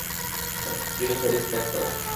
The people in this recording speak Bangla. তিনি প্যারিস ত্যাগ করেন।